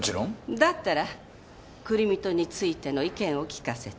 だったらクリムトについての意見を聞かせて。